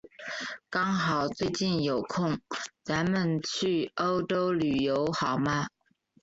刚好最近有空，咱们去欧洲旅游好吗？